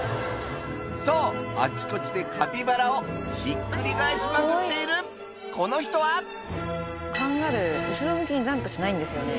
そうあちこちでカピバラをひっくり返しまくっているこの人はカンガルー後ろ向きにジャンプしないんですよね。